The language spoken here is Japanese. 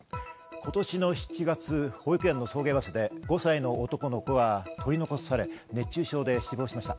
今年の７月、保育園の送迎バスで５歳の男の子が取り残され、熱中症で死亡しました。